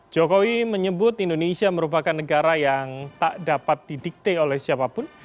jokowi menyebut indonesia merupakan negara yang tak dapat didikte oleh siapapun